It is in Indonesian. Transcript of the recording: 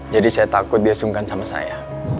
jadi saya takut dia sungkan sama saya